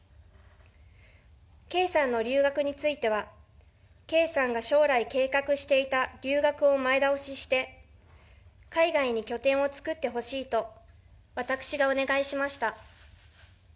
圭さんの留学については、圭さんが将来計画していた留学を前倒しして、海外に拠点を作ってほしいと私がお願いしました。